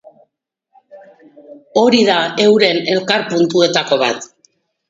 Hori da heuren elkar-puntuetako bat.